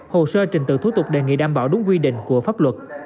hồ sơ trình tự thủ tục đề nghị đảm bảo đúng quy định của pháp luật